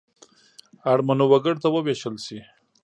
اړمنو وګړو ته ووېشل شي.